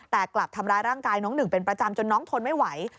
แต่กลับทำร้ายร่างกายน้องหนึ่งเป็นประจำจนน้องทนไม่ไหว